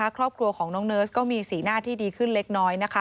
ครอบครัวของน้องเนิร์สก็มีสีหน้าที่ดีขึ้นเล็กน้อย